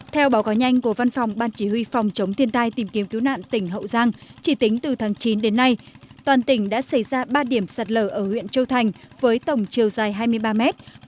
theo báo cáo nhanh của văn phòng ban chỉ huy phòng chống thiên tai tìm kiếm cứu nạn tỉnh hậu giang chỉ tính từ tháng chín đến nay toàn tỉnh đã xảy ra ba điểm sạt lở ở huyện châu thành với tổng chiều dài hai mươi ba mét